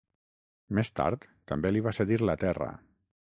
Més tard també li va cedir la terra.